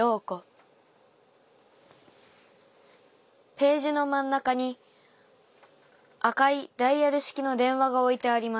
ページの真ん中に赤いダイヤル式の電話が置いてあります。